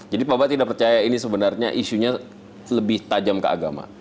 jadi pak pak tidak percaya ini sebenarnya isunya lebih tajam ke agama